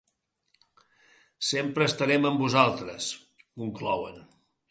Sempre estarem amb vosaltres!, conclouen.